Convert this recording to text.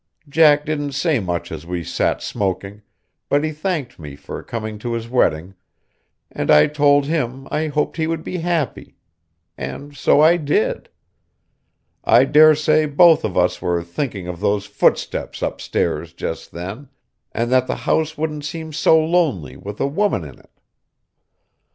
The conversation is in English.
Jack didn't say much as we sat smoking, but he thanked me for coming to his wedding, and I told him I hoped he would be happy; and so I did. I dare say both of us were thinking of those footsteps upstairs, just then, and that the house wouldn't seem so lonely with a woman in it.